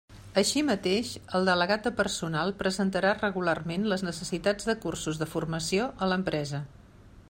Així mateix, el delegat de personal presentarà regularment les necessitats de cursos de formació a l'empresa.